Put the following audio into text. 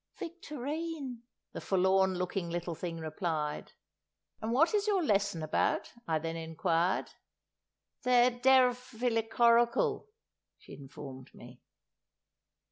"Victorine," the forlorn looking little thing replied. "And what is your lesson about?" I then inquired. "Therdelfykorrickul," she informed me.